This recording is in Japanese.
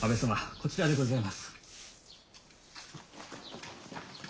こちらでございます。